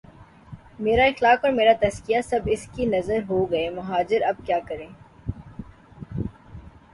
میرا اخلاق اور میرا تزکیہ، سب اس کی نذر ہو گئے مہاجر اب کیا کریں؟